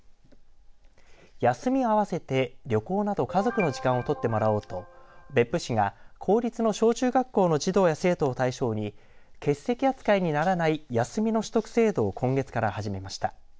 休みを合わせて、旅行など家族の時間を取ってもらおうと別府市が公立の小中学校の児童や生徒を対象に欠席扱いにならない休みの取得制度を今月から始めました。